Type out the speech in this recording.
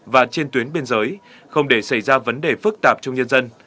và trên tuyến biên giới không để xảy ra vấn đề phức tạp trong nhân dân